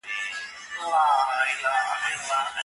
خپل ذهني وړتياوې د ګټور کتاب په لوستلو سره لوړې کړئ.